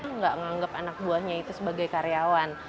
enggak menganggap anak buahnya itu sebagai karyawan